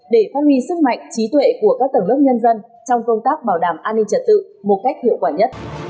để phát huy sức mạnh trí tuệ của các tầng lớp nhân dân trong công tác bảo đảm an ninh trật tự một cách hiệu quả nhất